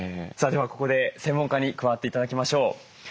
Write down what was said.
さあではここで専門家に加わって頂きましょう。